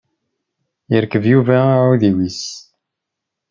Yerkeb Yuba aɛudiw-is.